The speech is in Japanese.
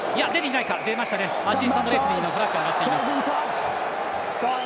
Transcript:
アシスタントレフリーのフラッグが上がっています。